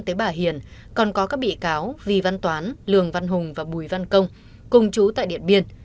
tế bà hiền còn có các bị cáo vì văn toán lường văn hùng và bùi văn công cùng chú tại điện biên